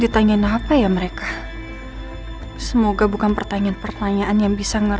tentang apa pak